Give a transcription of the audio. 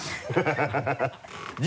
ハハハ